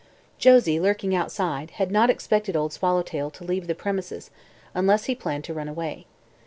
Josie, lurking outside, had not expected Old Swallowtail to leave the premises unless he planned to run away.